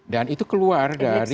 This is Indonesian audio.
dan itu keluar dari